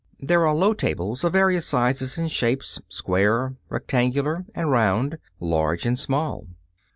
There are low tables of various sizes and shapes square, rectangular and round, large and small.